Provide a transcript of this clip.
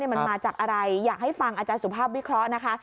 มันมาจากอะไรอยากให้ฟังอาจารย์สุภาพวิเคราะห์นะคะ